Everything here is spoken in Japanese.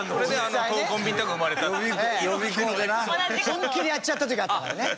本気でやっちゃった時あったんだよね。